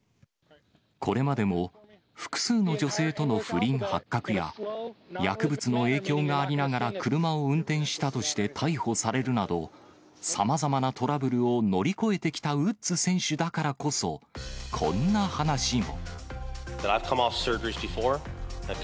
これまでも複数の女性との不倫発覚や、薬物の影響がありながら車を運転したとして逮捕されるなど、さまざまなトラブルを乗り越えてきたウッズ選手だからこそ、こんな話も。